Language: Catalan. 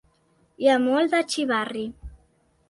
Hi ha molt de xivarri.